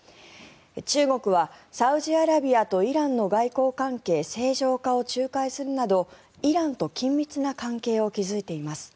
中国はサウジアラビアとイランの外交関係正常化を仲介するなどイランと緊密な関係を築いています。